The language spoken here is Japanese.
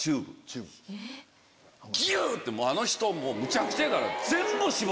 ギュ！ってあの人むちゃくちゃやから。